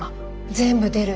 全部出る。